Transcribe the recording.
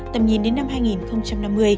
tầm nhìn đến năm hai nghìn năm mươi